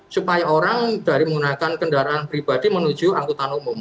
supaya orang dari menggunakan kendaraan pribadi menuju angkutan umum